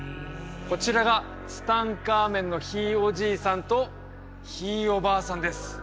こちらがツタンカーメンのひいおじいさんとひいおばあさんです